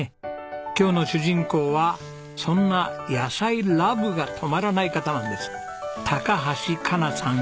今日の主人公はそんな野菜ＬＯＶＥが止まらない方なんです。